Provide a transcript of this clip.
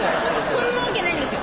そんなわけないんですよ